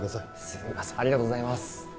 すみませんありがとうございます